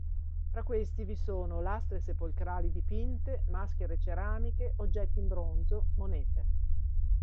Fra questi vi sono lastre sepolcrali dipinte, maschere ceramiche, oggetti in bronzo, monete.